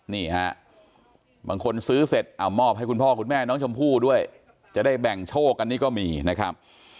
นี่ฮะบางคนซื้อเสร็จเอามอบให้คุณพ่อคุณแม่น้องชมพู่ด้วยจะได้แบ่งโชคอันนี้ก็มีนะครับ